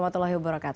waalaikumsalam wr wb